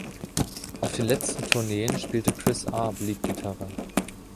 Auf den letzten Tourneen spielte Chris Arp Leadgitarre.